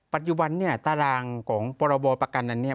ปัจจุบันตารางของประบอบประกันอันนี้